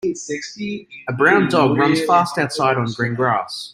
A brown dog runs fast outside on green grass.